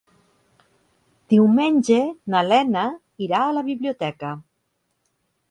Diumenge na Lena irà a la biblioteca.